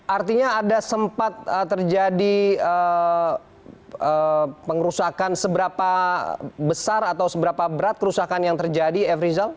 artinya ada sempat terjadi pengerusakan seberapa besar atau seberapa berat kerusakan yang terjadi f rizal